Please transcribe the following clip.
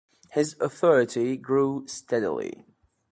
His authority grew steadily.